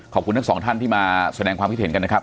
ขอบคุณทั้งสองท่านที่มาแสดงความคิดเห็นกันนะครับ